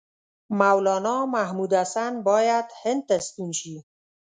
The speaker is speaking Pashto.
مولنا محمودالحسن باید هند ته ستون شي.